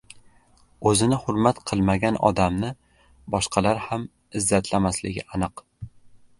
O‘zini hurmat qilmagan odamni boshqalar ham izzatlamasligi aniq.